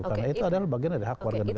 karena itu adalah bagian dari hak warga negara